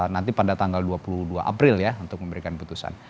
nanti pada tanggal dua puluh dua april ya untuk memberikan putusan